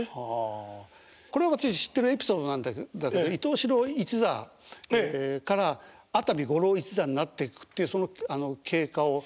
これは私知ってるエピソードなんだけど伊東四朗一座から熱海五郎一座になっていくっていうその経過を。